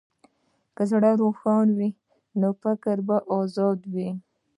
که زړه روښانه وي، نو فکر به ازاد وي.